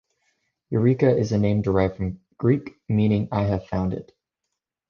Eureka is a name derived from Greek, meaning "I have found it".